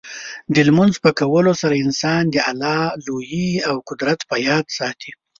د لمونځ په کولو سره انسان د الله لویي او قدرت په یاد ساتي.